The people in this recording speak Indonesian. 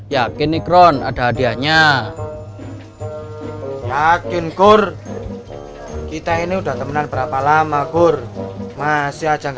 yakini kron ada hadiahnya yakin kur kita ini udah temenan berapa lama kur masih aja